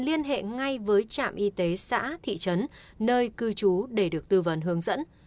liên hệ ngay với trạm y tế xã thị trấn nơi cư trú để được tư vấn hướng dẫn